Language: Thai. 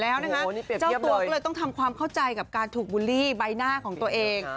แล้วนะคะเจ้าตัวก็เลยต้องทำความเข้าใจกับการถูกบูลลี่ใบหน้าของตัวเอง